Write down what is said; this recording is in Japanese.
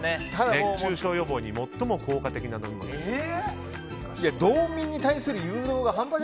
熱中症予防に最も効果的な飲み物。